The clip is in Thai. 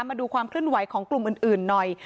มาดูความเคลื่อนไหวของกลุ่มอื่นหน่อย